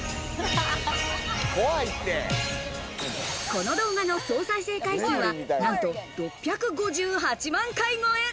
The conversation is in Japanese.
この動画の総再生回数は、なんと６５８万回超え。